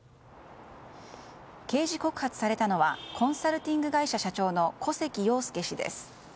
刑事告発されたのはコンサルティング会社社長の古関陽介氏です。